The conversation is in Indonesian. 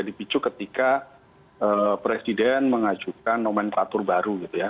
di picu ketika presiden mengajukan nomenklatur baru gitu ya